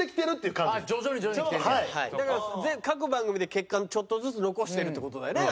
だから各番組で結果ちょっとずつ残してるって事だよね？